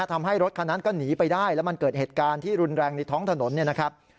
ทำให้รถคันนั้นก็หนีไปได้แล้วมันเกิดเหตุการณ์ที่รุนแรงในท้องถนนเนี่ยนะครับ